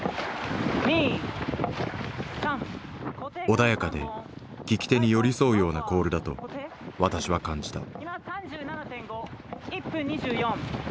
穏やかで聞き手に寄り添うようなコールだと私は感じた。